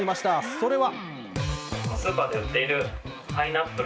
それは。